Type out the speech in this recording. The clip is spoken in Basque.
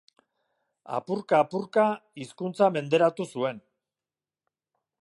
Apurka-apurka hizkuntza menderatu zuen.